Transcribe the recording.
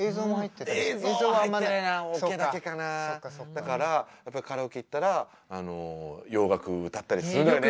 だからカラオケ行ったら洋楽歌ったりするのよね。